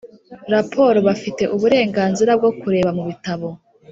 raporo Bafite uburenganzira bwo kureba mu bitabo